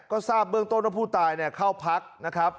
ก็ทราบเบื้องต้นว่าผู้ตายเข้าพักนะครับ